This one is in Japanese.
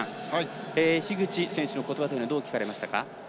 樋口選手のことばどう聞かれましたか？